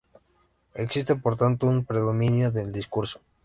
Existe, por tanto, un predominio del discurso.